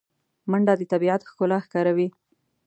منډه د طبیعت ښکلا ښکاروي